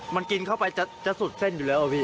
มันกินเข้าไปจะสุดเส้นอยู่แล้วอะพี่